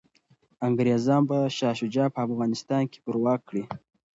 انګریزان به شاه شجاع په افغانستان کي پرواک کړي.